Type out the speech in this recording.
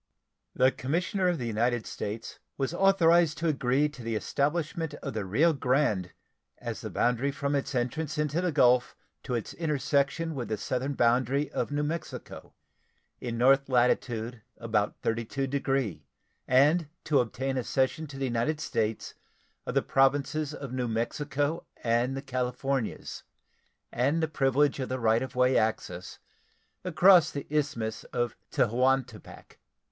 The commissioner of the United States was authorized to agree to the establishment of the Rio Grande as the boundary from its entrance into the Gulf to its intersection with the southern boundary of New Mexico, in north latitude about 32 degree, and to obtain a cession to the United States of the Provinces of New Mexico and the Californias and the privilege of the right of way across the Isthmus of Tehuantepec.